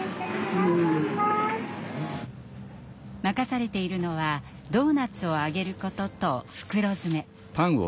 任されているのはドーナツを揚げることと袋詰め。